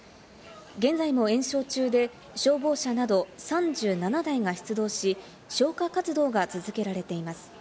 現在も延焼中で消防車など３７台が出動し、消火活動が続けられています。